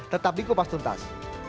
tetap di kupas tuntas